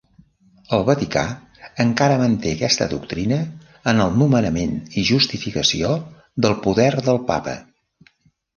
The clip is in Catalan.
El Vaticà encara manté aquesta doctrina en el nomenament i justificació del poder del Papa.